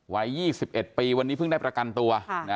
วัย๒๑ปีวันนี้เพิ่งได้ประกันตัว